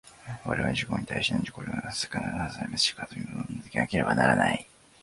我々の自己に対して、汝これを為すか然らざれば死かと問うものでなければならない。